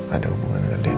ada hubungan dengan dennis